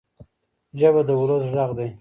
ژبه د ولس ږغ دی.